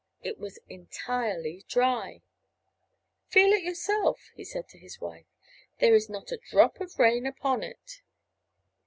It was entirely dry. "Feel it yourself!" said he to his wife. "There is not a drop of rain upon it!"